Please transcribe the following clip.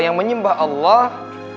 yang menyembah allah